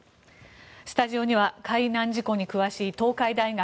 スタジオには海難事故に詳しい東海大学